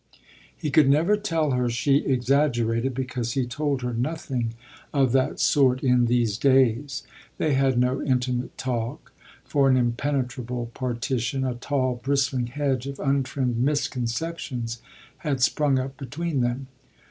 He could never tell her she exaggerated, because he told her nothing of that sort in these days: they had no intimate talk, for an impenetrable partition, a tall, bristling hedge of untrimmed misconceptions, had sprung up between them.